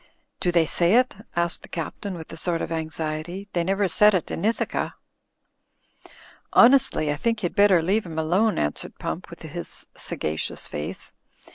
"Do they say it?" asked the Captain, with a sort of anxiety. "They never said it in Ithaca." "Honestly, I think you'd better leave him alone," answered Pump, with his sagacious face.